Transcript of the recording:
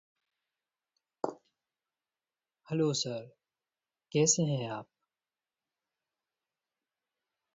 The proof considers two cases.